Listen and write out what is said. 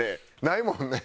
ないもんね。